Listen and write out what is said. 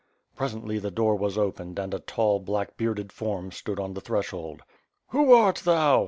Presently the door was opened and a tall, black bearded form stood on the threshold. "Who art thou?"